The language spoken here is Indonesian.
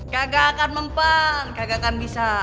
kagak akan mempeng kagak akan bisa